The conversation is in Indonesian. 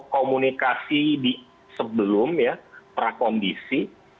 komunikasi sebelum ya prakondisi